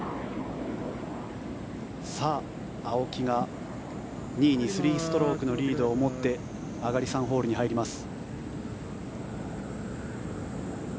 青木が２位に３ストロークのリードを持って上がり３ホールに入ります。